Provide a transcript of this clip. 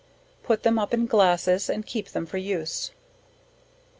Put them up in glasses, and keep them for use.